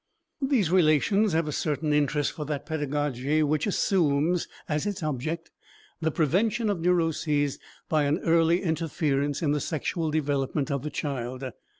These relations have a certain interest for that pedagogy which assumes as its object the prevention of neuroses by an early interference in the sexual development of the child.